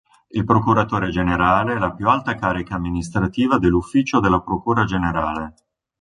Il procuratore generale è la più alta carica amministrativa dell'ufficio della Procura generale.